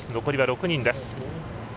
残りは６人です。